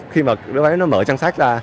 khi mà đứa bé nó mở trang sách ra